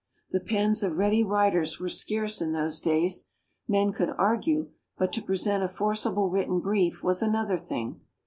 The pens of ready writers were scarce in those days: men could argue, but to present a forcible written brief was another thing.